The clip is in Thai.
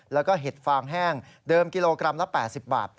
แล้วก็เห็ดฟางแห้งเดิมกิโลกรัมละ๘๐บาท